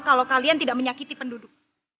kalau kalian tidak menyakiti penduduk